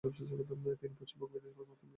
তিনি পশ্চিমবঙ্গ বিধানসভার প্রাক্তন বিধায়ক।